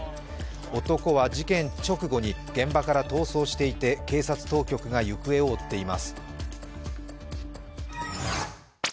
男は事件直後に現場から逃走していて、警察当局が行方を追っています。